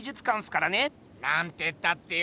なんてったってよ